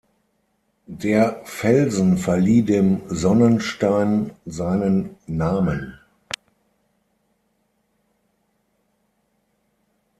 Der Felsen verlieh dem Sonnenstein seinen Namen.